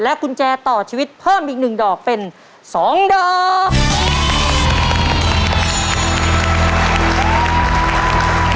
กุญแจต่อชีวิตเพิ่มอีก๑ดอกเป็น๒ดอก